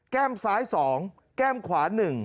แก้มซ้าย๒แก้มขวา๑